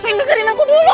sayang dengerin aku dulu